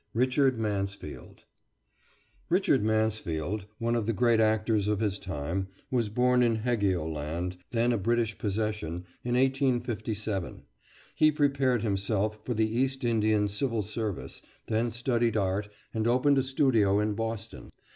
RICHARD MANSFIELD [Richard Mansfield, one of the great actors of his time, was born in Heligoland, then a British Possession, in 1857. He prepared himself for the East Indian civil service, then studied art, and opened a studio in Boston.